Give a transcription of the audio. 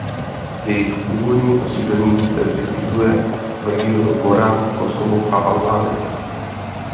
Jejich původní osídlení se vyskytuje v regionu Gora v Kosovu a Albánii.